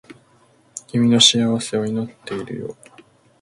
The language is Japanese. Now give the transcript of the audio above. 君の幸せを祈っているよ